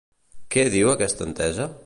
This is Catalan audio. Què diu aquesta entesa?